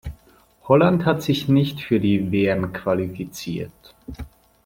Holland hat sich nicht für die WM qualifiziert.